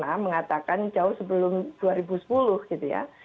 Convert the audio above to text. saya hanya mengatakan karena kami melakukan penelitian